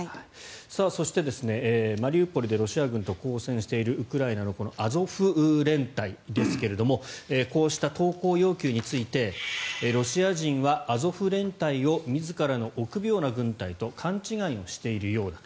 そしてマリウポリでロシア軍と交戦しているウクライナのアゾフ連隊ですがこうした投降要求についてロシア人はアゾフ連隊を自らの臆病な軍隊と勘違いしているようだ。